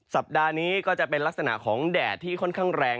สัปดาห์นี้ก็จะเป็นลักษณะของแดดที่ค่อนข้างแรง